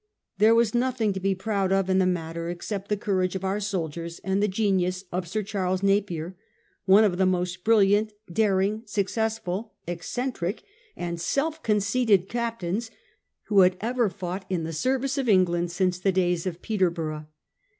There was nothing to be proud of in the matter, except the courage of our soldiers, and the genius of Sir Charles Napier, one of the most brilliant, daring, successful, eccentric, and self conceited cap tains who had ever fought in the service of England since the days of Peterborough.